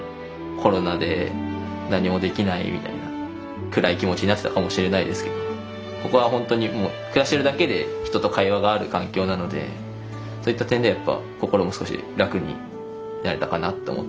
コロナで何もできないみたいな暗い気持ちになってたかもしれないですけどここはほんとにもう暮らしてるだけで人と会話がある環境なのでそういった点ではやっぱ心も少し楽になれたかなって思ってます。